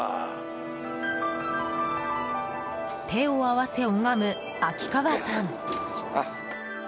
手を合わせ拝む、秋川さん。